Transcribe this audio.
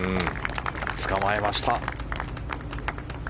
つかまえました。